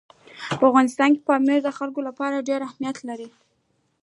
په افغانستان کې پامیر د خلکو لپاره ډېر اهمیت لري.